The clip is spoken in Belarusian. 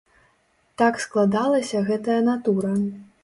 Так складалася гэтая натура.